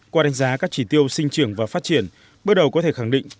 qua đánh giá các chỉ tiêu sinh trưởng và phát triển bước đầu có thể khẳng định